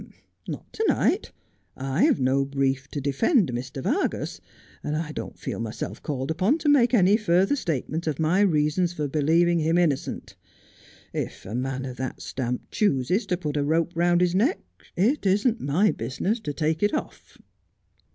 'Not to night. I've no brief to defend Mr. Vargas, and I don't feel myself called upon to make any further statement of my reasons for believing him innocent. If a man of that stamp chooses to put a rope round his neck it isn't my business to take it off.'